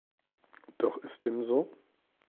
Doch ist dem so?